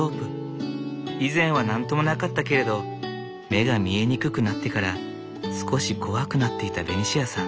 以前は何ともなかったけれど目が見えにくくなってから少し怖くなっていたベニシアさん。